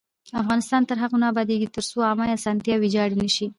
افغانستان تر هغو نه ابادیږي، ترڅو عامه اسانتیاوې ویجاړې نشي.